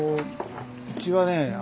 うちはね